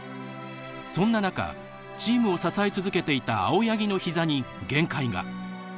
そんな中チームを支え続けていた青八木のヒザに限界が。